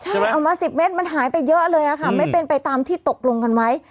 ใช่เอามา๑๐เมตรมันหายไปเยอะเลยค่ะไม่เป็นไปตามที่ตกลงกันไว้